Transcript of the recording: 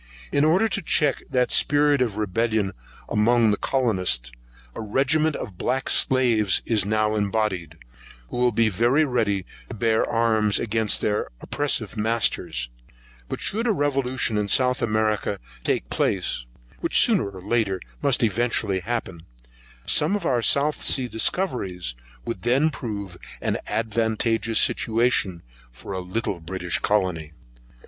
But in order to check that spirit of rebellion among the colonists, a regiment of black slaves is now embodied, who will be very ready to bear arms against their oppressive masters; but should a revolution in South America take place, which sooner or later must eventually happen, some of our South Sea discoveries would then prove an advantageous situation for a little British colony.